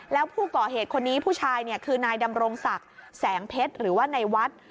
แล้วผู้ก่อเหตุคนนี้ผู้ชายคือนายดำรงศักดิ์แสงเพชรหรือว่านายวัด